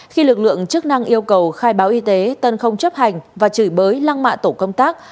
khi lực lượng chức năng yêu cầu khai báo y tế tân không chấp hành và chửi bới lăng mạ tổ công tác